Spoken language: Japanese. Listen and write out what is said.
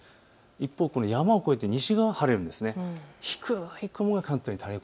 一方、山を越えて西側は晴れるんです。